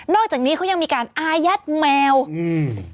อกจากนี้เขายังมีการอายัดแมวอืม